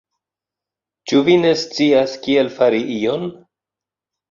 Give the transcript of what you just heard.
Ĉu vi ne scias kiel fari ion?